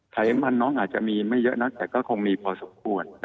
ไขมันน้องอาจจะมีไม่เยอะนักแต่ก็คงมีพอสมควร